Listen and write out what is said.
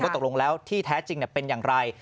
ตกลงแล้วที่แท้จริงเป็นอย่างไร